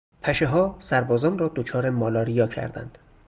پشهها سربازان را دچار مالاریا کردند.